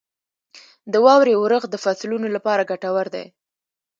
• د واورې اورښت د فصلونو لپاره ګټور دی.